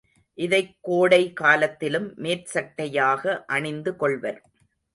இதைக் கோடை காலத்திலும் மேற்சட்டையாக அணிந்து கொள்வர்.